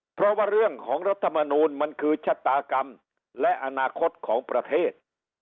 เพราะว่าเรื่องของรัฐมนูลมันคือชะตากรรมและอนาคตของประเทศ